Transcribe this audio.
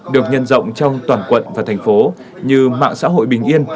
được nhân rộng trong toàn quận và thành phố như mạng xã hội bình yên